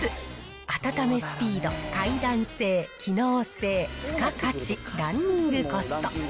温めスピード、快暖性、機能性、付加価値、ランニングコスト。